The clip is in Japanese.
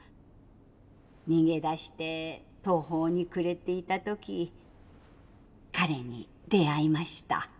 逃げ出して途方に暮れていた時彼に出会いました。